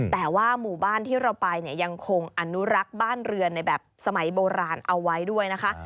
แต่ว่าหมู่บ้านที่เราไปเนี่ยยังคงอนุรักษ์บ้านเรือนในแบบสมัยโบราณเอาไว้ด้วยนะคะ